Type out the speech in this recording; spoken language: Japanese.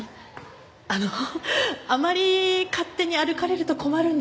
あのあまり勝手に歩かれると困るんですよね。